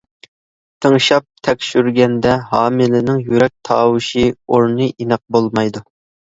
تىڭشاپ تەكشۈرگەندە ھامىلىنىڭ يۈرەك تاۋۇشى ئورنى ئېنىق بولمايدۇ.